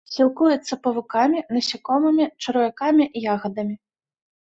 Сілкуецца павукамі, насякомымі, чарвякамі, ягадамі.